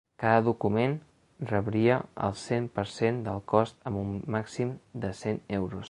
Cada document rebria el cent per cent del cost amb un màxim de cent euros.